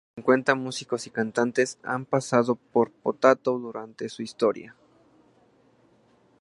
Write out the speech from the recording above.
Más de cincuenta músicos y cantantes han pasado por Potato durante su historia.